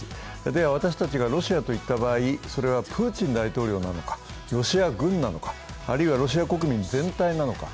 では私たちがロシアといった場合、それはプーチン大統領なのかロシア軍なのか、あるいはロシア国民全体なのか。